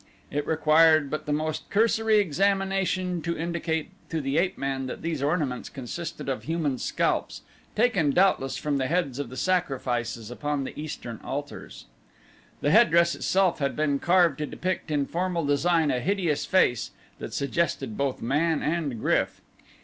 It required but the most cursory examination to indicate to the ape man that these ornaments consisted of human scalps, taken, doubtless, from the heads of the sacrifices upon the eastern altars. The headdress itself had been carved to depict in formal design a hideous face that suggested both man and GRYF.